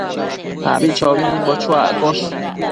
abichobimbo chuaccosh